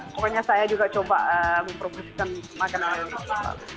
pokoknya saya juga coba memproduksikan makanan indonesia